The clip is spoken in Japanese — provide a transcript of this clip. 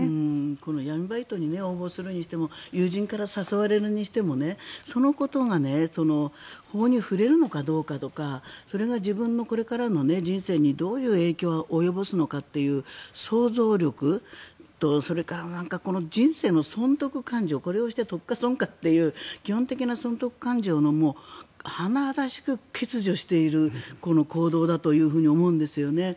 この闇バイトに応募するにしても友人から誘われるにしてもそのことが法に触れるのかどうかとかそれが自分のこれからの人生にどういう影響を及ぼすのかという想像力と、それから人生の損得勘定これをして得か損かという基本的な損得勘定がはなはだしく欠如している行動だと思うんですよね。